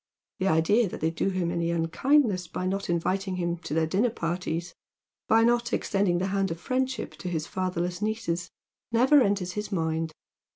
The idea that they do him any unkindness by not inviting him to their dinner parties, by not extending the hand of fiiendship to his fatherless nieces, never enters his mind.